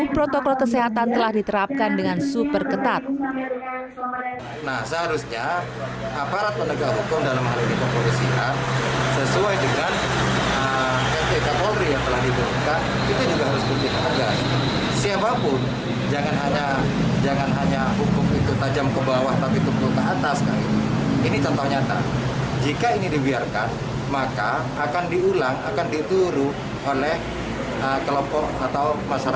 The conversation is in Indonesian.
protokol kesehatan telah diterapkan dengan super ketat dan dengan perintahnya dengan pembunuhnya di atas